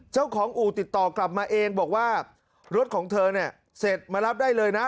อู่ติดต่อกลับมาเองบอกว่ารถของเธอเนี่ยเสร็จมารับได้เลยนะ